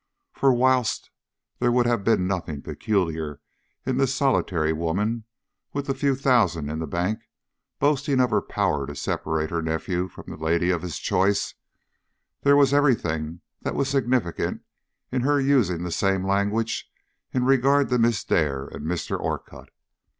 For whilst there would have been nothing peculiar in this solitary woman, with the few thousands in the bank, boasting of her power to separate her nephew from the lady of his choice, there was every thing that was significant in her using the same language in regard to Miss Dare and Mr. Orcutt.